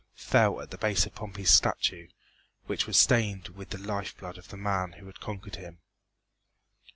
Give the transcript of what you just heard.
fell at the base of Pompey's statue, which was stained with the life blood of the man who had conquered him.